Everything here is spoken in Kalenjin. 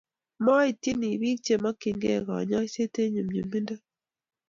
maityini biik chemokyinigei konyoiset eng nyumnyumindo